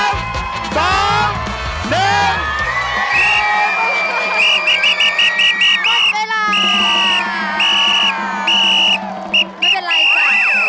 ไม่เป็นไรจ้ะ